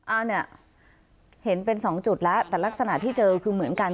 อันนี้เห็นเป็นสองจุดแล้วแต่ลักษณะที่เจอคือเหมือนกัน